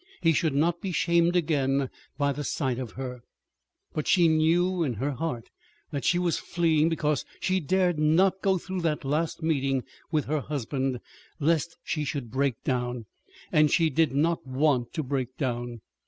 He should not be shamed again by the sight of her. But she knew in her heart that she was fleeing because she dared not go through that last meeting with her husband, lest she should break down. And she did not want to break down.